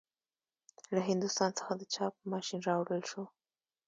له هندوستان څخه د چاپ ماشین راوړل شو.